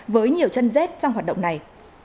với nhiều chân dết trong hoạt động này